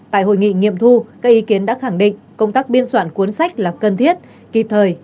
tại hội nghị nghiệm thu các ý kiến đã khẳng định công tác biên soạn cuốn sách là cần thiết kịp thời